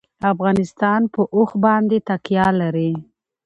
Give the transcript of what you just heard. افغانستان په اوښ باندې تکیه لري.